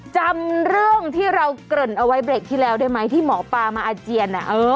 จำเรื่องที่เราเกริ่นเอาไว้เบรกที่แล้วได้ไหมที่หมอปลามาอาเจียน